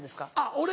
俺？